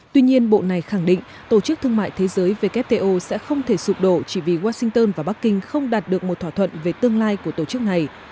tuy nhiên bộ này khẳng định tổ chức thương mại thế giới wto sẽ không thể sụp đổ chỉ vì washington và bắc kinh không đạt được một thỏa thuận về tương lai của tổ chức này